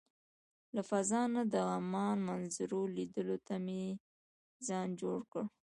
له فضا نه د عمان منظرو لیدلو ته مې ځان جوړ کړ.